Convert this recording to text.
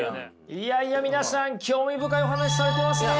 いやいや皆さん興味深いお話されてますね！